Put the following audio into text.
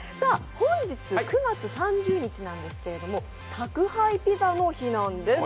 本日９月３０日ですけど、宅配ピザの日です。